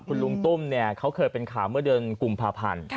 คุณลุงตุ้มเนี่ยเขาเคยเป็นข่าวเมื่อเดือนกุมภาพันธ์